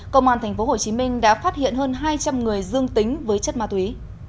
công an tp hcm đã phát hiện hơn hai trăm linh người dương tính với chất ma túy